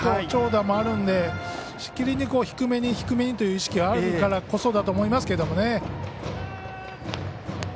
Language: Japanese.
長打もあるのでしきりに低めに低めにという意識があるからこそだと思いますけどね。